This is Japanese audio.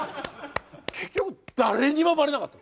結局誰にもバレなかった。